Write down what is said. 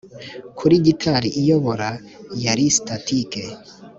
kuri gitari iyobora yari static